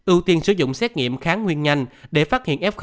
ưu tiên sử dụng xét nghiệm kháng nguyên nhanh để phát hiện f một